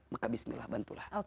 maka bismillah bantulah